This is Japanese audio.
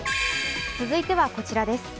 続いてはこちらです。